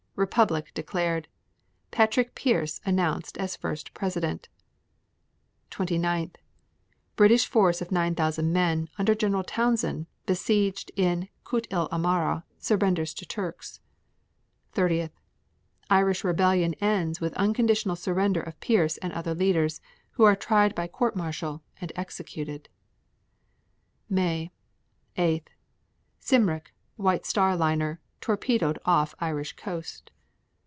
Republic declared. Patrick Pearse announced as first president. 29. British force of 9000 men, under Gen. Townshend, besieged in Kut el Amara, surrenders to Turks. 30. Irish rebellion ends with unconditional surrender of Pearse and other leaders, who are tried by court martial and executed. May 8. Cymric, White Star liner, torpedoed off Irish coast.